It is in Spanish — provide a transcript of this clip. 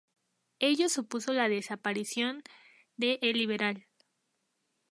Ello supuso la desaparición de "El Liberal".